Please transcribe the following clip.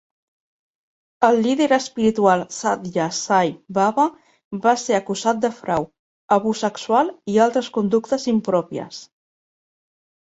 El líder espiritual Sathya Sai Baba va ser acusat de frau, abús sexual i altres conductes impròpies.